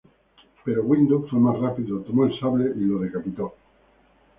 Pero Windu fue más rápido, tomó el sable y lo decapitó.